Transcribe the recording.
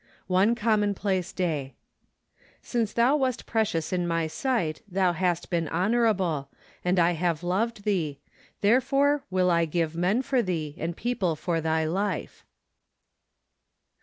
One Commonplace Day. " Since thou least precious in ray sight , than hast been honorable ,* and I have loved thee: therefore will I give men for thee , and people for thy life."